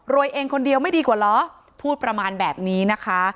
เองคนเดียวไม่ดีกว่าเหรอพูดประมาณแบบนี้นะคะ